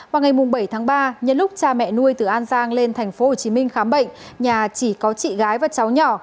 vào ngày bảy tháng ba nhân lúc cha mẹ nuôi từ an giang lên tp hcm khám bệnh nhà chỉ có chị gái và cháu nhỏ